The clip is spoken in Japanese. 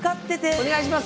お願いします。